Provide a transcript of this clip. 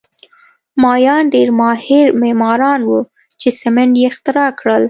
مایان ډېر ماهر معماران وو چې سیمنټ یې اختراع کړل